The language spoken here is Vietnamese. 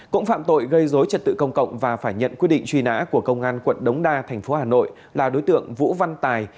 cũng phạm tội gây dối trật tự công cộng và phải nhận quyết định truy nã của công an quận đống đa thành phố hà nội là đối tượng vũ văn tài